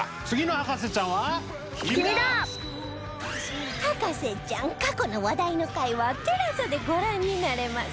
『博士ちゃん』過去の話題の回は ＴＥＬＡＳＡ でご覧になれます